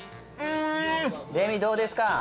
デミどうですか？